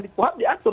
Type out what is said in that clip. di puap diatur